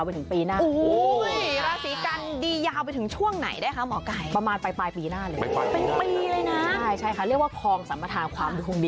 โอ้โหมันก็จะยาว